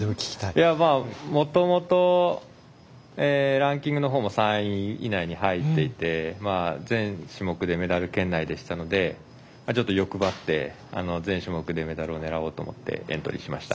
もともとランキングのほうも３位以内に入っていて全種目でメダル圏内でしたのでちょっと欲ばって全種目でメダルを狙おうと思ってエントリーしました。